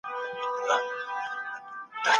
تکویني پوښتنې باید د ټولنې تاریخ ته مراجعه وکړي.